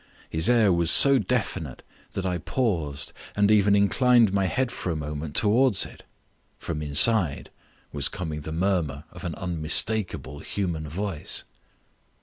His air was so definite that I paused and even inclined my head for a moment towards it. From inside was coming the murmur of an unmistakable human voice.